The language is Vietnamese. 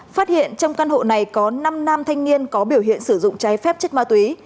phát hiện trong căn hộ này có năm nam thanh niên có biểu hiện sử dụng trái phép chất ma túy